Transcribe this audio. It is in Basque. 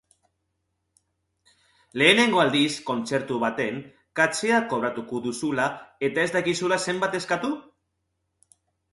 Lehenengo aldiz kontzertu baten katxea kobratuko duzula eta ez dakizula zenbat eskatu?